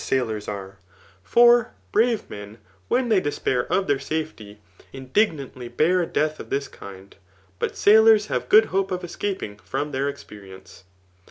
97 aa sailors are ; for brave men, when they despair bf thar safety 9 indignantly bear a death of this kind ;u but sailbrs hare good hope of escaping, from thdr experience.